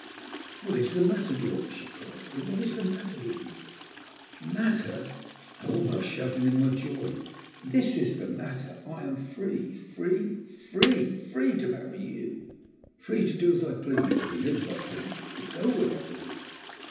"What is the matter, Gilbert? " she cried. " Oh, what is the matter with you ?•' Matter 1 " I almost shouted in my Joy. " This is the matter. I am free — ^free — ^freel Free to marry you — ^free to do as I please, and live as I please, and go where I please